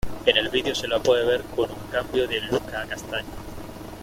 En el vídeo se la puede ver con un cambio de look a castaña.